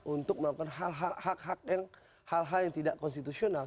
untuk melakukan hal hal yang tidak konstitusional